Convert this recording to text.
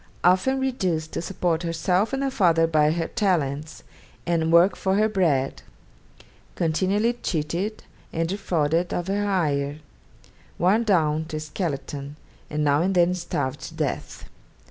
Often reduced to support herself and her father by her talents, and work for her bread; continually cheated, and defrauded of her hire; worn down to a skeleton, and now and then starved to death.